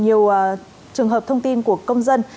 nhiều trường hợp thông tin của công dân